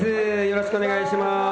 よろしくお願いします。